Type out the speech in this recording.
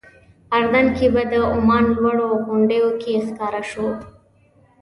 اردن کې به د عمان لوړو غونډیو کې ښکاره شو.